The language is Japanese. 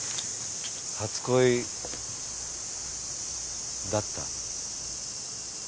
初恋だった？